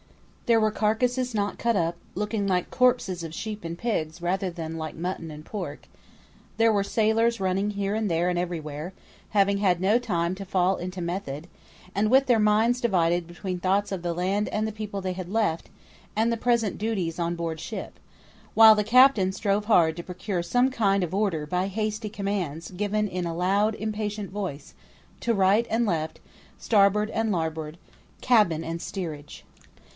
There were carcases not cut up, looking like corpses of sheep and pigs rather than like mutton and pork; there were sailors running here and there and everywhere, having had no time to fall into method, and with their minds divided between thoughts of the land and the people they had left, and the present duties on board ship; while the captain strove hard to procure some kind of order by hasty commands given in a loud, impatient voice, to right and left, starboard and larboard, cabin and steerage.